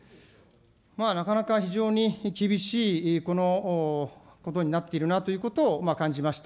なかなか非常に厳しいこのことになっているなということを感じました。